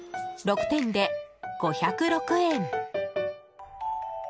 ６点で５０６円！